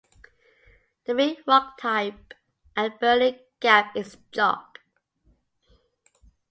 The main rock type at Birling Gap is chalk.